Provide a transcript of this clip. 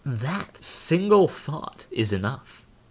That single thought is enough.